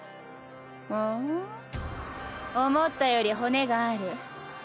ふん思ったより骨がある。